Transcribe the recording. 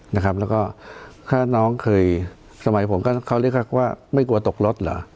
แล้วก็ถ้าน้องเคยสมัยผมก็เขาเรียกว่าไม่กลัวตกรถเหรอ